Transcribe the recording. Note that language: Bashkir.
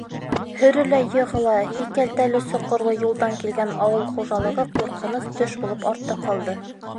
Һөрөлә-йығыла һикәлтәле-соҡорло юлдан килгән ауыл хужалығы ҡурҡыныс төш булып артта ҡалды.